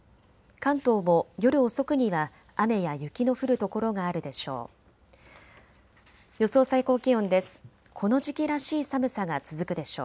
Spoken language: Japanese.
関東も夜遅くには雨や雪の降る所があるでしょう。